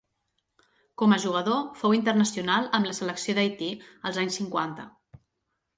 Com a jugador fou internacional amb la selecció d'Haití als anys cinquanta.